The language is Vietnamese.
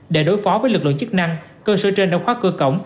để đối phó với lực lượng chức năng cơ sở trên đã khóa cửa cổng